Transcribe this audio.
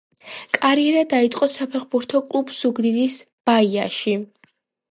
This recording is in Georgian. კარიერა დაიწყო საფეხბურთო კლუბ ზუგდიდის „ბაიაში“.